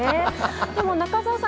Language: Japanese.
でも、中澤さん。